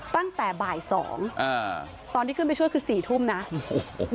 ตั้งแต่บ่ายสองอ่าตอนที่ขึ้นไปช่วยคือสี่ทุ่มนะโอ้โห